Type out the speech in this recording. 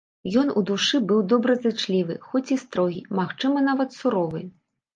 Ён у душы быў добразычлівы, хоць і строгі, магчыма, нават суровы.